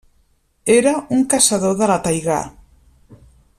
Era un caçador de la taigà.